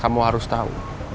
kamu harus tahu